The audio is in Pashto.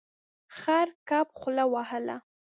خړ کب خوله وهله.